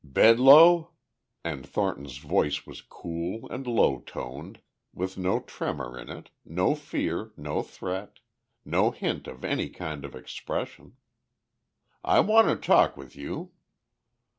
"Bedloe," and Thornton's voice was cool and low toned, with no tremor in it, no fear, no threat, no hint of any kind of expression, "I want a talk with you."